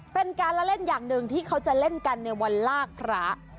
เป็นการละเล่นอย่างหนึ่งที่เขาจะเล่นกันในวันลากพระ